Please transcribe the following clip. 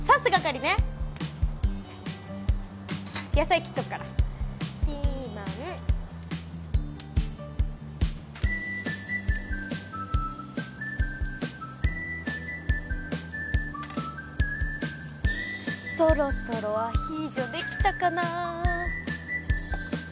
係ね野菜切っとくからピーマンそろそろアヒージョできたかな？